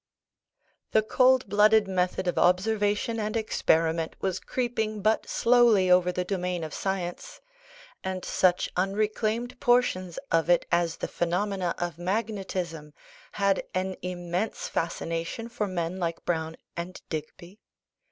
The cold blooded method of observation and experiment was creeping but slowly over the domain of science; and such unreclaimed portions of it as the phenomena of magnetism had an immense fascination for men like Browne and Digby.